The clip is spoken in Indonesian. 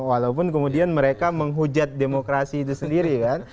walaupun kemudian mereka menghujat demokrasi itu sendiri kan